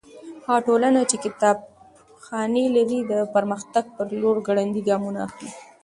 هغه ټولنه چې کتابخانې لري د پرمختګ په لور ګړندي ګامونه اخلي.